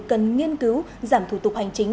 cần nghiên cứu giảm thủ tục hành chính